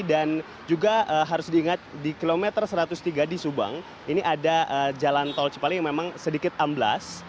dan juga harus diingat di kilometer satu ratus tiga di subang ini ada jalan tol cipali yang memang sedikit amblas